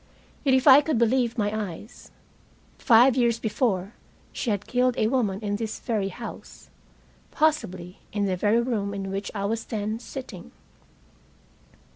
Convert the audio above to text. Yet, if I could believe my eyes, five years before she had killed a woman in this very house. Possibly in the very room in which I was then sitting.